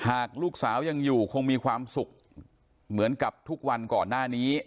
หากลูกสาวยังอยู่คงมีความสุขเหมือนกับทุกวันก่อนหน้านี้